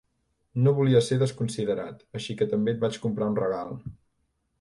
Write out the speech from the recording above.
No volia ser desconsiderat, així que també et vaig comprar un regal.